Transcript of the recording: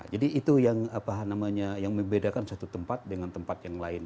jadi itu yang apa namanya yang membedakan satu tempat dengan tempat yang lain